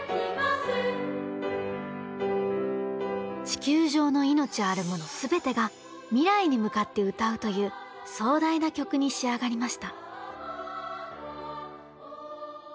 地球上の命あるもの全てが未来に向かって歌うという壮大な曲に仕上がりました。